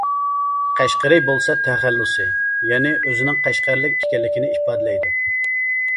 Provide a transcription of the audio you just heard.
قەشقىرى بولسا تەخەللۇسى. يەنى ئۆزىنىڭ قەشقەرلىك ئىكەنلىكىنى ئىپادىلەيدۇ.